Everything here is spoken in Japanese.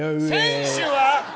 選手は？